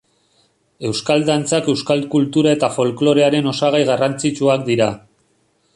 Euskal dantzak euskal kultura eta folklorearen osagai garrantzitsuak dira.